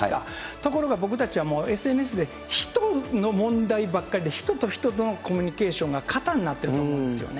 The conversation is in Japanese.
ところが僕たちはもうＳＮＳで人の問題ばっかりで、人と人とのコミュニケーションが過多になっていると思うんですよね。